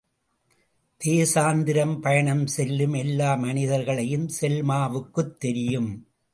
தேசாந்திரம் பயணம் செல்லும் எல்லா மனிதர்களையும் செல்மாவுக்குத் தெரியும்.